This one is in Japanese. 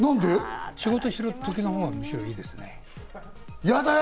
仕事しろって時のほうがむしろいいですね。